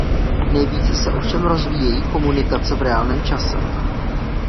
Nejvíce se ovšem rozvíjí komunikace v reálném čase.